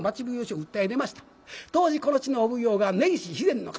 当時この地のお奉行が根岸肥前守。